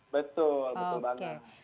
betul betul banget